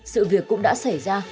sự việc cũng đã xảy ra